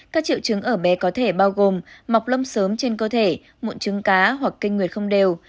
các triệu chứng ở bé có thể bao gồm mọc lông sớm trên cơ thể mụn trứng cá hoặc kinh nguyệt không đều